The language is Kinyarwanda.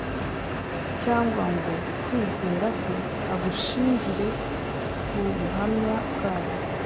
cyangwa ngo kwizera kwe agushingire ku buhamya bwabo.